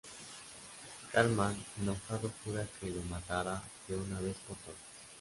Cartman enojado jura que lo matará de una vez por todas.